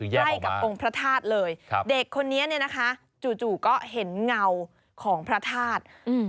ใกล้กับองค์พระธาตุเลยเด็กคนนี้เนี่ยนะคะจู่ก็เห็นเงาของพระธาตุ